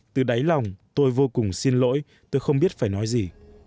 từ đáy lòng tôi vô cùng xin lỗi tôi không biết phải nói gì